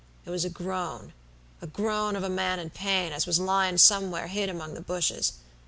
It was a groana groan of a man in pain, as was lyin' somewhere hid among the bushes.